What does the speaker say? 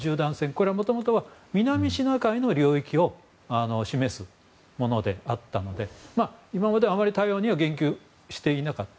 これはもともとは南シナ海の領域を示すものであったので今までは、あまり台湾には言及していなかった。